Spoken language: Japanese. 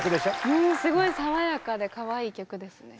うんすごい爽やかでかわいい曲ですね。